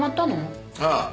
ああ。